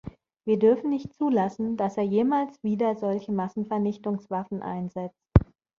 Wir dürfen nicht zulassen, dass er jemals wieder solche Massenvernichtungswaffen einsetzt.